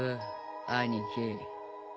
兄貴。